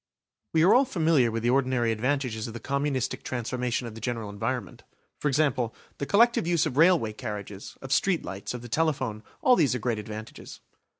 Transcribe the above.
We are all familiar with the ordinary advantages of the communistic transformation of the general environment. For example, the collective use of railway carriages, of street lights, of the telephone, all these are great advantages.